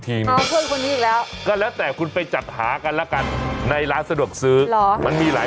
ทีวีคุณบ้านคุณผู้ชมไม่ได้เสียงหาย